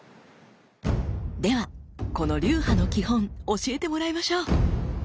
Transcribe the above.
ではこの流派の基本教えてもらいましょう！